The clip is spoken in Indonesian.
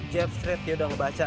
jab straight dia udah ngebaca